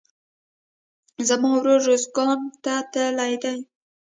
زما ورور روزګان ته تللى دئ.